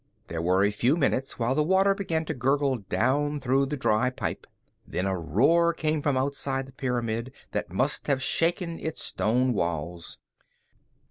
There were a few minutes while the water began to gurgle down through the dry pipe. Then a roar came from outside the pyramid that must have shaken its stone walls.